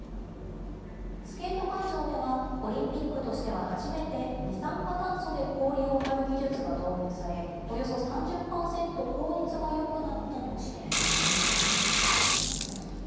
スケート会場では、オリンピックとしては初めて、二酸化炭素で氷を張る技術が導入され、およそ３０％効率がよくなったとしています。